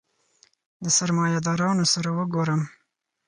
د سرمایه دارانو سره وګورم.